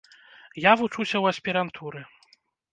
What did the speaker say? Я вучуся ў аспірантуры.